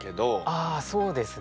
ああそうですね。